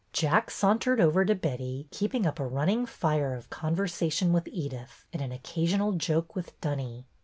Jack sauntered over to Betty, keeping up a running fire of conversation with Edyth, and an occasional joke with Dunny.